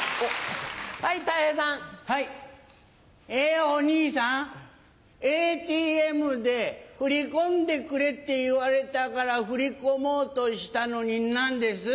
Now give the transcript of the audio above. えお兄さんＡＴＭで振り込んでくれって言われたから振り込もうとしたのに何です？